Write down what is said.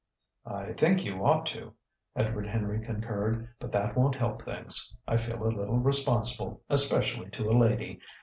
"I think you ought to," Edward Henry concurred. "But that won't help things. I feel a little responsible, especially to a lady.